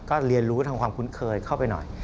ก็เรียนรู้ทางความคุ้นเคยเข้าไปหน่อย